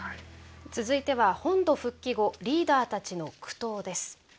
続いては「本土復帰後リーダーたちの苦闘」です。